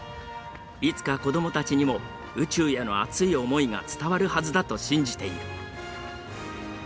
いつか子どもたちにも宇宙への熱い思いが伝わるはずだと信じている。